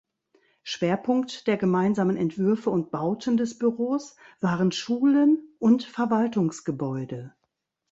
Schwerpunkt der gemeinsamen Entwürfe und Bauten des Büros waren Schulen und Verwaltungsgebäude.